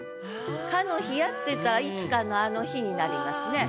「かの日や」って言ったらいつかのあの日になりますね。